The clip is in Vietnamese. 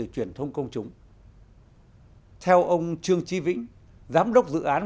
công chúng theo ông trương tri vĩnh giám đốc dự án